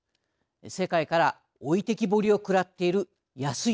世界から置いてきぼりをくらっている安いニッポン。